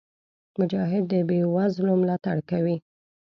مجاهد د بېوزلو ملاتړ کوي.